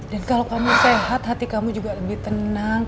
dan kalau kamu sehat hati kamu juga lebih tenang